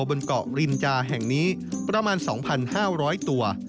บนเกาะรินจาแห่งนี้ประมาณ๒๕๐๐ตัว